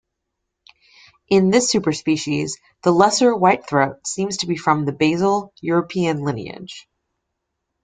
In this superspecies, the lesser whitethroat seems to form the basal European lineage.